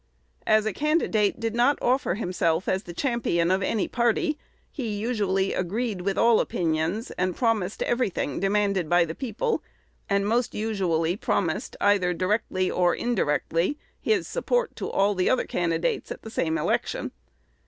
As a candidate did not offer himself as the champion of any party, he usually agreed with all opinions, and promised every thing demanded by the people, and most usually promised, either directly or indirectly, his support to all the other candidates at the same election.